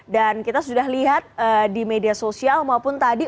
kita sudah lihat di media sosial maupun tadi